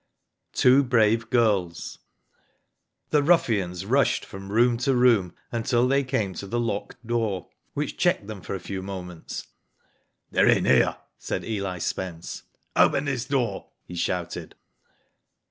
TWO BRAVE GIRLS. The ruffians rushed from room to room until they came to the locked door, which checked them for a few moments. "They're in here/' said Eli Spence. "Open this door !" he shouted.